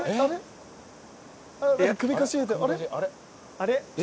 あれ？